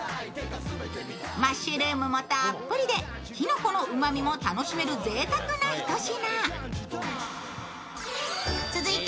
マッシュルームもたっぷりできのこのうまみも楽しめるぜいたくなひと品。